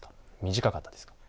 短かったですか？